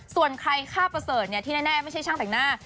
ส่วนใครฆ่าประเสริฐที่แน่ไม่ใช่ช่างแต่งหน้า